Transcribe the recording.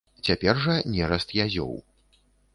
Цяпер жа нераст язёў.